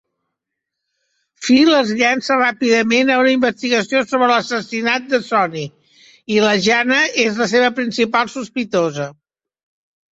Phil es llança ràpidament a una investigació sobre l'assassinat de Sonny, i la Jana és la seva principal sospitosa.